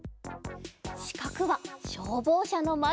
しかくはしょうぼうしゃのまどかな？